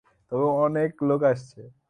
তবে অনেক লোক আসছে।